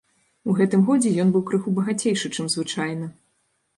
У гэтым годзе ён быў крыху багацейшы, чым звычайна.